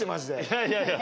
いやいやいや何で？